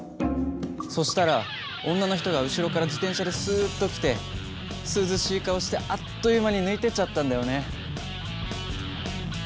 そしたら女の人が後ろから自転車でスッと来て涼しい顔してあっという間に抜いてっちゃったんだよね。